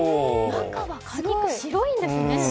中は果肉白いんですね。